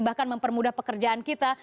bahkan mempermudah pekerjaan kita